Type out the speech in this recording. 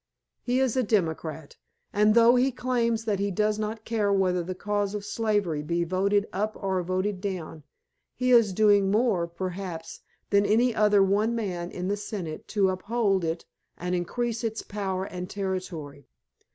He is a Democrat, and though he claims that he does not care whether 'the cause of slavery be voted up or voted down' he is doing more, perhaps, than any other one man in the Senate to uphold it and increase its power and territory."